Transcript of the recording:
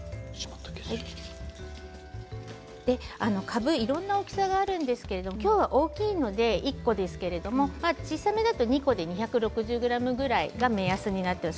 かぶは、いろんな大きさがあるんですが今日は大きいので１個ですけれど小さめだと２個で２６０ｇぐらいが目安になります。